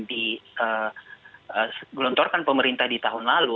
digelontorkan pemerintah di tahun lalu